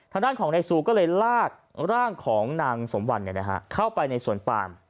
ทางด้านของนายซูก็เลยลากร่างของนางสมวันเข้าไปในสวนปาม